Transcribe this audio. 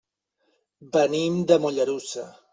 Venim de Mollerussa.